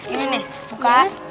ini nih buka